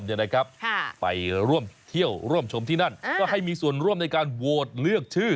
เนี่ยนะครับไปร่วมเที่ยวร่วมชมที่นั่นก็ให้มีส่วนร่วมในการโหวตเลือกชื่อ